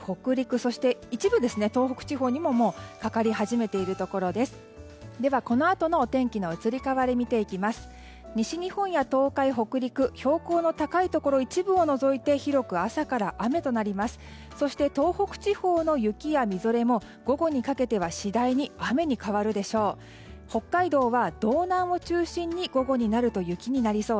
そして東北地方の雪やみぞれも午後にかけては次第に雨に変わるでしょう。